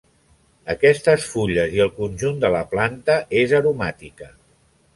Aquestes fulles i el conjunt de la planta és aromàtica.